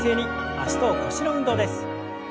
脚と腰の運動です。